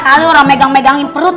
kalian orang pegang pegangin perut